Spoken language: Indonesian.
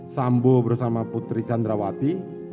sambuh bersama putri candrawati